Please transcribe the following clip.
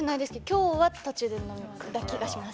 今日は途中で飲んだ気がします。